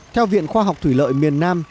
theo viện khoa học thủy lợi miền nam